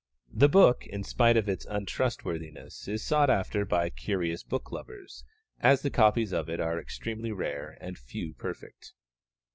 The book, in spite of his untrustworthiness, is sought after by curious book lovers, as the copies of it are extremely rare, and few perfect.